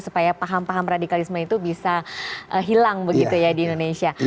supaya paham paham radikalisme itu bisa hilang begitu ya di indonesia